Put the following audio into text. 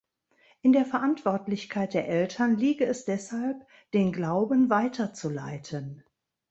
In der Verantwortlichkeit der Eltern liege es deshalb, den Glauben weiterzuleiten.